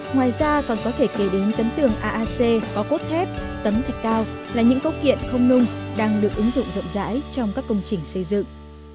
ngoài ra còn có thể kể đến tấm tường aac có cốt thép tấm thịt cao là những cấu kiện không nung đang được ứng dụng rộng rãi trong các công trình xây dựng